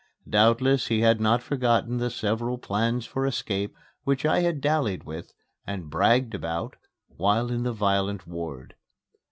Doubtless he had not forgotten the several plans for escape which I had dallied with and bragged about while in the violent ward.